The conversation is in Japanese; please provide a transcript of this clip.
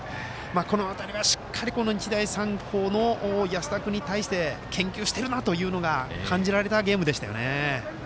この辺りがしっかり日大三高の安田君に対して研究しているなというのが感じられたゲームでしたね。